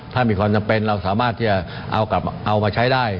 ถ้ามีความจำเป็นเราสามารถที่จะเอามาใช้ได้